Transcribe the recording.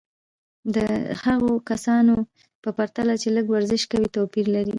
دا د هغو کسانو په پرتله چې لږ ورزش کوي توپیر لري.